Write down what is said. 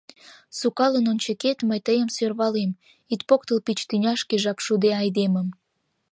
Сукалын ончыкет, мый тыйым сӧрвалем: Ит поктыл пич тӱняшке жап шуде айдемым.